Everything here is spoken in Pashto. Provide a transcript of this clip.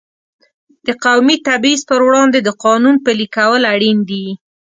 د قومي تبعیض پر وړاندې د قانون پلي کول اړین دي.